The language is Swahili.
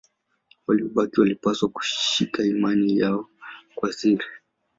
Waliobaki walipaswa kushika imani yao kwa siri.